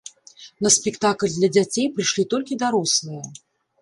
На спектакль для дзяцей прыйшлі толькі дарослыя!